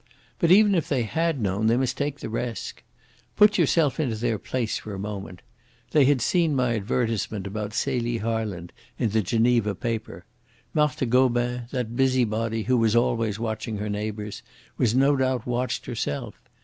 But, even if they had known, they must take the risk. Put yourself into their place for a moment. They had seen my advertisement about Celie Harland in the Geneva paper. Marthe Gobin, that busybody who was always watching her neighbours, was no doubt watched herself.